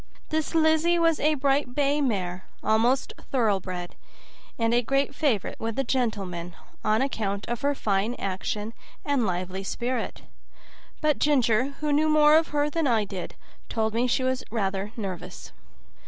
This Lizzie was a bright bay mare, almost thoroughbred, and a great favorite with the gentlemen, on account of her fine action and lively spirit; but Ginger, who knew more of her than I did, told me she was rather nervous.